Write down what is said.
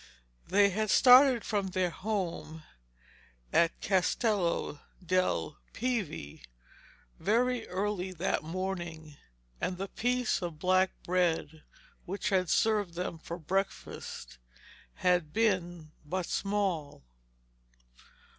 They had started from their home at Castello delle Pieve very early that morning, and the piece of black bread which had served them for breakfast had been but small.